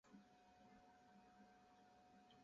臀刺与尾刺可能覆有角质。